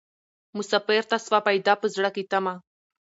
مسافر ته سوه پیدا په زړه کي تمه